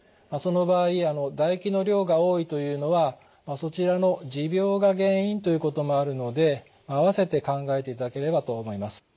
その場合唾液の量が多いというのはそちらの持病が原因ということもあるので併せて考えていただければと思います。